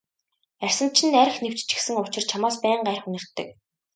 Арьсанд чинь архи нэвччихсэн учир чамаас байнга архи үнэртдэг.